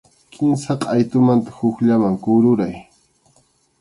Kimsa qʼaytumanta hukllaman kururay.